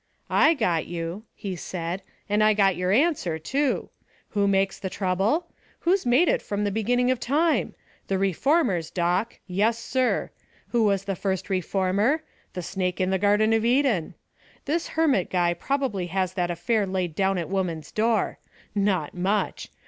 "I got you," he said, "and I got your answer, too. Who makes the trouble? Who's made it from the beginning of time? The reformers, Doc. Yes, sir. Who was the first reformer? The snake in the garden of Eden. This hermit guy probably has that affair laid down at woman's door. Not much.